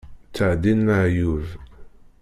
Ttεeddin leεyub.